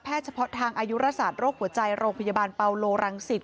แพทย์เฉพาะทางอายุราศาสตร์โรคหัวใจโรคพยาบาลปาโลรังสิทธิ์